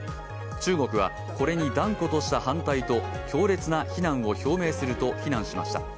中国はこれに断固として反対と強烈な非難を表明すると非難しました。